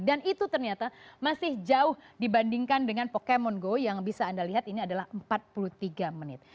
dan itu ternyata masih jauh dibandingkan dengan pokemon go yang bisa anda lihat ini adalah empat puluh tiga menit